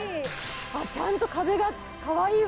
ちゃんと壁がかわいいわ！